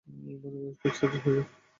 মাঝে মাঝে ও একটু বেশিই এক্সাইটেড হয়ে যায়।